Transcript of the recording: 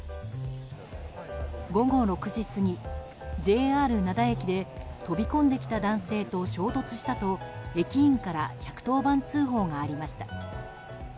午後６時過ぎ、ＪＲ灘駅で飛び込んできた男性と衝突したと駅員から１１０番通報がありました。